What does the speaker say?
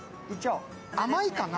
甘いかな？